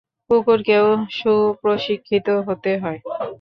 কুকুরকেও সুপ্রশিক্ষিত হতে হয়।